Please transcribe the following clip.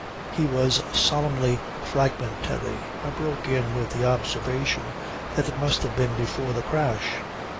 He was solemnly fragmentary. I broke in with the observation that it must have been before the crash.